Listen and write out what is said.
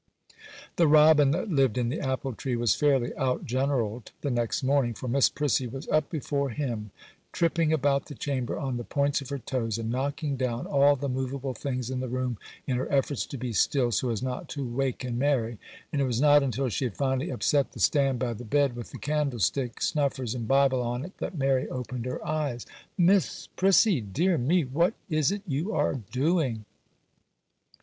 The robin that lived in the apple tree was fairly out generalled the next morning, for Miss Prissy was up before him, tripping about the chamber on the points of her toes, and knocking down all the moveable things in the room in her efforts to be still, so as not to waken Mary; and it was not until she had finally upset the stand by the bed, with the candlestick, snuffers, and Bible on it, that Mary opened her eyes. 'Miss Prissy! dear me! What is it you are doing?